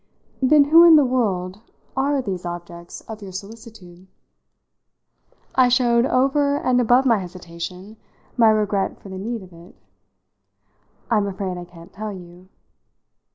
"Then who in the world are these objects of your solicitude?" I showed, over and above my hesitation, my regret for the need of it. "I'm afraid I can't tell you."